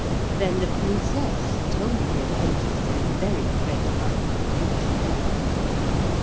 Then the Princess told the apprentice in a very great hurry who she was.